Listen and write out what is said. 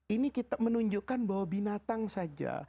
ini kita menunjukkan bahwa binatang saja